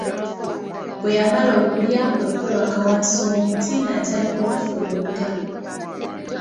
Bwe yamala okulya kwe kwebaka wansi w'omuti n'atandika okufuluta.